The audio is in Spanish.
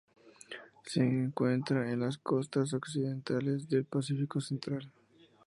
Se encuentra en las costas occidentales del Pacífico central.